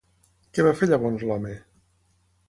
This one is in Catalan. Què va fer llavors l'home?